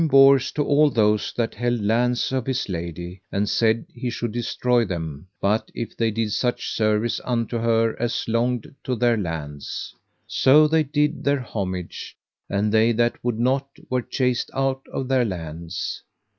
So then came Bors to all those that held lands of his lady, and said he should destroy them but if they did such service unto her as longed to their lands. So they did their homage, and they that would not were chased out of their lands.